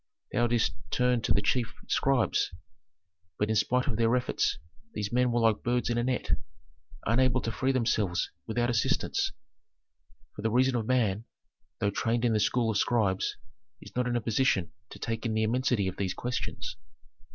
Thou didst turn to the chief scribes, but in spite of their efforts these men were like birds in a net, unable to free themselves without assistance, for the reason of man, though trained in the school of scribes, is not in a position to take in the immensity of these questions.